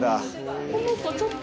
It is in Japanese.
この子ちょっと。